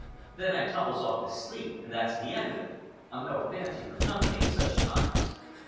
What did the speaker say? Then I tumbles off to sleep and that's the end of it. I've no fancy for company at such times."